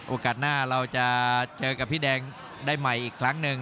โอกาสหน้าเราจะเจอกับพี่แดงได้ใหม่อีกครั้งหนึ่ง